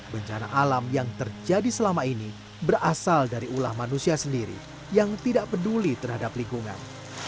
bencana alam yang terjadi selama ini berasal dari ulah manusia sendiri yang tidak peduli terhadap lingkungan